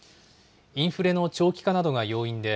インフレの長期化などが要因で、